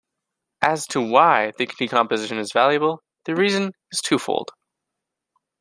As to "why" the decomposition is valuable, the reason is twofold.